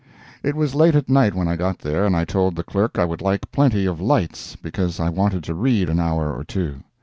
It was late at night when I got there, and I told the clerk I would like plenty of lights, because I wanted to read an hour or two.